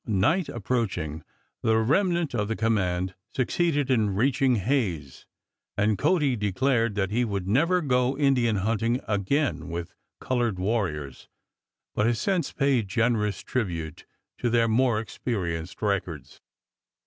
Night approaching, the remnant of the command succeeded in reaching Hays, and Cody declared that he would "never go Indian hunting again with colored warriors," but has since paid generous tribute to their more experienced records.